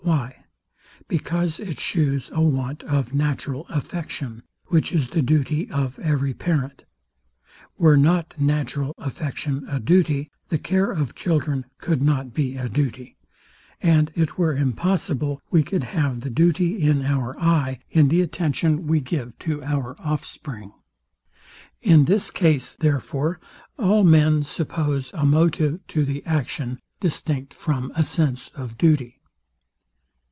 Why? because it shews a want of natural affection, which is the duty of every parent. Were not natural affection a duty, the care of children could not be a duty; and it were impossible we could have the duty in our eye in the attention we give to our offspring. In this case, therefore, all men suppose a motive to the action distinct from a sense of duty.